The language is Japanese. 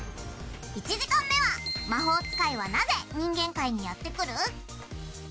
１時間目は「魔法使いはなぜ人間界にやってくる？」。